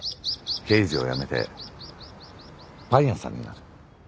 刑事を辞めてパン屋さんになる。